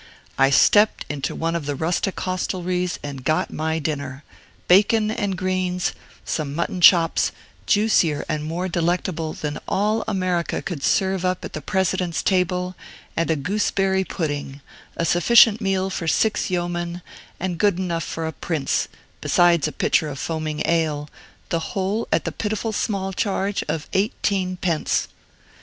I stepped into one of the rustic hostelries and got my dinner, bacon and greens, some mutton chops, juicier and more delectable than all America could serve up at the President's table, and a gooseberry pudding; a sufficient meal for six yeomen, and good enough for a prince, besides a pitcher of foaming ale, the whole at the pitiful small charge of eighteen pence!